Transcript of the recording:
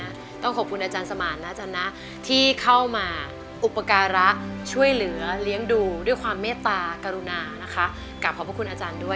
แล้วก็ต้องขอบคุณอาจารย์สม่ำนะที่เข้ามาอุปการะช่วยเหลือเลี้ยงดูด้วยความเมตตากรุณานะค่ะกลับขอบคุณอาจารย์